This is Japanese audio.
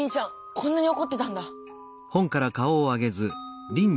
こんなにおこってたんだ？